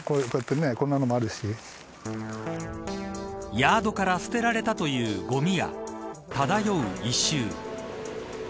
ヤードから捨てられたというごみや漂う異臭。